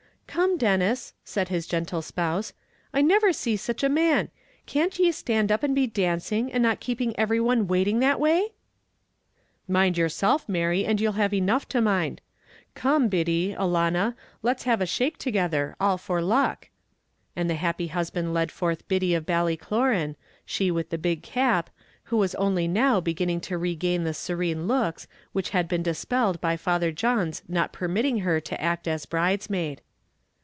"Come, Denis," said his gentle spouse, "I never see sich a man; can't ye stand up and be dancing, and not keeping everyone waiting that way?" "Mind yourself, Mary, and you'll have enough to mind. Come, Biddy, alanna, let us have a shake together, all for luck;" and the happy husband led forth Biddy of Ballycloran she with the big cap who was only now beginning to regain the serene looks, which had been dispelled by Father John's not permitting her to act as bridesmaid.